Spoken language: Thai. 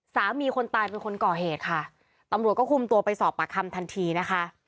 คนตายเป็นคนก่อเหตุค่ะตำรวจก็คุมตัวไปสอบปากคำทันทีนะคะ